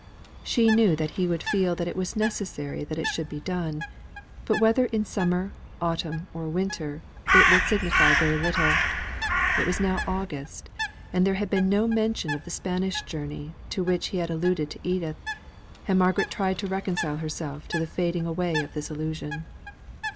She knew that he would feel that it was necessary that it should be done; but whether in summer, autumn, or winter, it would signify very little. It was now August, and there had been no mention of the Spanish journey to which he had alluded to Edith, and Margaret tried to reconcile herself to the fading away of this illusion.